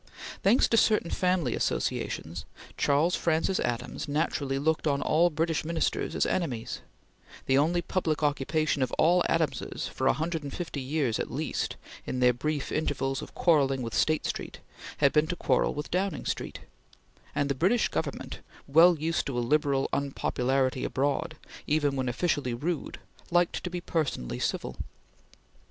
Thanks to certain family associations, Charles Francis Adams naturally looked on all British Ministers as enemies; the only public occupation of all Adamses for a hundred and fifty years at least, in their brief intervals of quarrelling with State Street, had been to quarrel with Downing Street; and the British Government, well used to a liberal unpopularity abroad, even when officially rude liked to be personally civil.